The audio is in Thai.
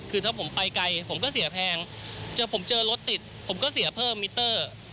คือถ้าผมไปไกลผมก็เสียแพงเจอผมเจอรถติดผมก็เสียเพิ่มมิเตอร์